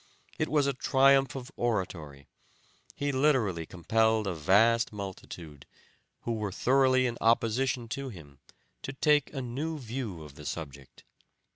It was a triumph of oratory; he literally compelled a vast multitude, who were thoroughly in opposition to him, to take a new view of the subject.